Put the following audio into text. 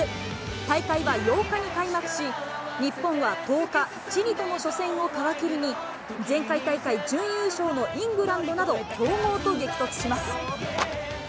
大会は８日に開幕し、日本は１０日、チリとの初戦を皮切りに、前回大会準優勝のイングランドなど、強豪と激突します。